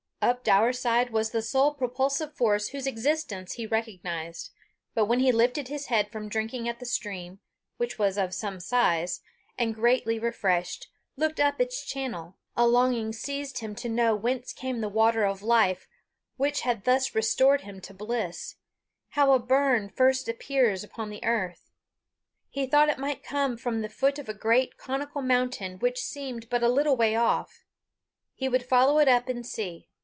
Up Daurside was the sole propulsive force whose existence he recognized. But when he lifted his head from drinking at the stream, which was one of some size, and, greatly refreshed, looked up its channel, a longing seized him to know whence came the water of life which had thus restored him to bliss how a burn first appears upon the earth. He thought it might come from the foot of a great conical mountain which seemed but a little way off. He would follow it up and see.